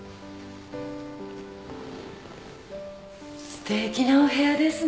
すてきなお部屋ですね。